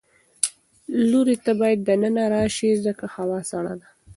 لورې ته باید د ننه راشې ځکه هوا سړه ده.